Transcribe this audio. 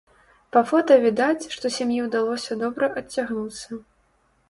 Па фота відаць, што сям'і ўдалося добра адцягнуцца.